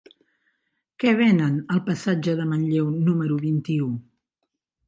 Què venen al passatge de Manlleu número vint-i-u?